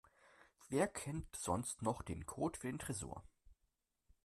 Wer kennt sonst noch den Code für den Tresor?